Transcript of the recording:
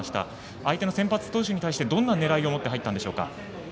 相手の先発投手に対してどんな狙いを持って入ったんでしょうか？